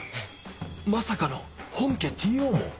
まさかの本家 Ｔ ・ Ｏ も？